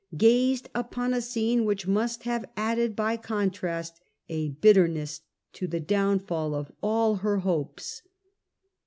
gazed upon a scene which must have added by contrast a bitterness to the downfall of all her hopes.